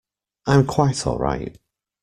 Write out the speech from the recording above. I'm quite all right.